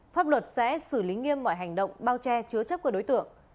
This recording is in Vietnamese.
pháp luật sẽ xử lý nghiêm mọi hành động bao che chứa chấp của đối tượng